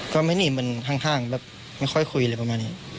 ก็ไม่นีค่อยค่อยค่อยมาห้างบ้าง